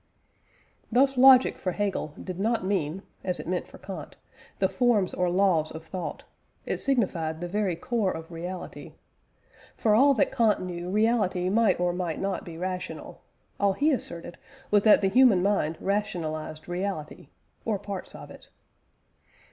Thus logic for Hegel did not mean (as it meant for Kant) the forms or laws of thought: it signified the very core of reality. For all that Kant knew, reality might or might not be rational: all he asserted was that the human mind rationalised reality (or parts of it).